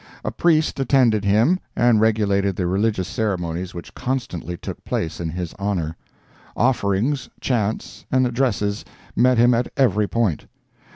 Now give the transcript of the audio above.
A priest attended him and regulated the religious ceremonies which constantly took place in his honor; offerings, chants and addresses met him at every point.